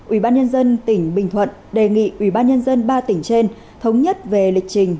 ubnd tỉnh bình thuận đề nghị ubnd ba tỉnh trên thống nhất về lịch trình